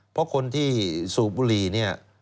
เพราะคนที่สูบบุหรี่เนี่ย